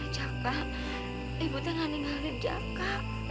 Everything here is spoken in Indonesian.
jaka ibu tidak ninggalin jaka